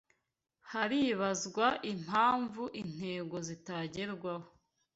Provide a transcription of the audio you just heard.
haribazwa impamvu intego zitagerwaho